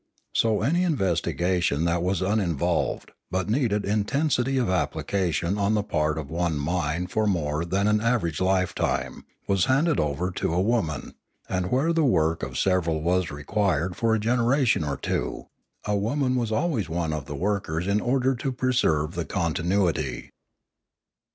So any investigation that was uninvolved, but needed intensity of application on the part of one mind for more than an average lifetime, was handed over to Ethics 589 a woman; and where the work of several was required for a generation or two, a woman was always one of the workers in order to preserve the continuity.